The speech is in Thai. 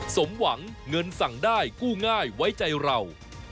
สมหวังเงินสั่งได้กู้ง่ายไว้ใจเรา